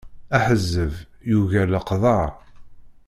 Aḥezzeb yugar leqḍeɛ.